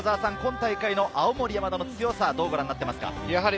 今大会の青森山田の強さ、どうご覧になっていますか？